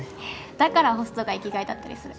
だからホストが生きがいだったりする。